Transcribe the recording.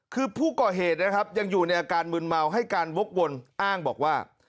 คือผู้ก่อเหตุนะครับยังอยู่ในอาการมืนเมาให้การวกวนอ้างบอกว่า